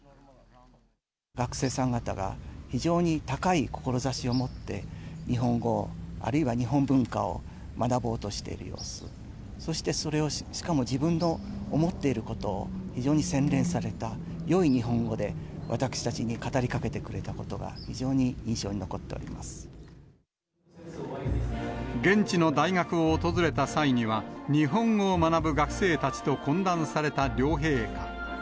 学生さん方が、非常に高い志を持って、日本語、あるいは日本文化を学ぼうとしている様子、そしてそれを、しかも自分の思っていることを、非常に洗練されたよい日本語で私たちに語りかけてくれたことが、現地の大学を訪れた際には、日本語を学ぶ学生たちと懇談された両陛下。